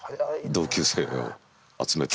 同級生を集めて。